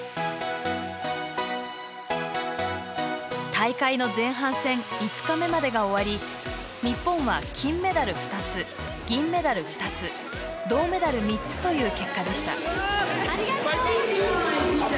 大会の前半戦５日目までが終わり日本は、金メダル２つ銀メダル２つ銅メダル３つという結果でした。